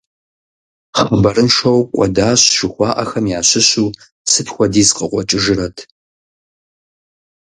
«Хъыбарыншэу кӀуэдащ», жыхуаӀахэм ящыщу сыт хуэдиз къыкъуэкӀыжрэт?